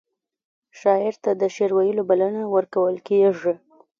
شاعر ته د شعر ویلو بلنه ورکول کیږي.